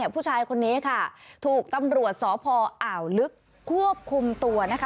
ผู้ชายคนนี้ค่ะถูกตำรวจสพอ่าวลึกควบคุมตัวนะคะ